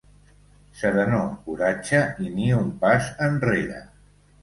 Serenor, coratge i ni un pas enrere.